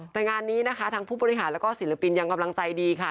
แต่งานนี้นะคะทั้งผู้บริหารแล้วก็ศิลปินยังกำลังใจดีค่ะ